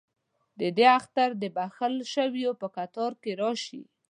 ددې اختر دبخښل شووپه کتار کې راشي